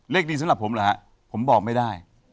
ดีสำหรับผมเหรอฮะผมบอกไม่ได้